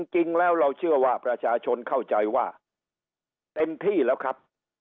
จริงแล้วเราเชื่อว่าประชาชนเข้าใจว่าเต็มที่แล้วครับ